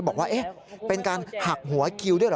บอกว่าเป็นการหักหัวคิวด้วยเหรอ